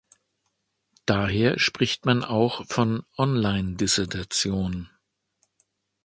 Daher spricht man auch von Online-Dissertation.